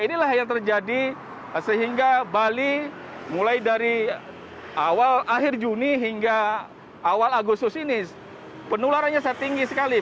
inilah yang terjadi sehingga bali mulai dari awal akhir juni hingga awal agustus ini penularannya setinggi sekali